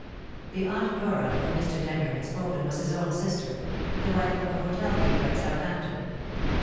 The Aunt Dora of whom Mr. Denyer had spoken was his own sister, the wife of a hotel keeper at Southampton.